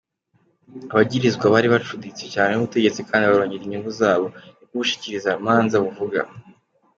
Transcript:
"Abagirizwa bari bacuditse cane n'ubutegetsi kandi barondera inyungu zabo", niko ubushikirizamanza buvuga.